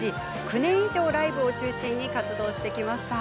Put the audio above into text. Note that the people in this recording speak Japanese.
９年以上ライブを中心に活動してきました。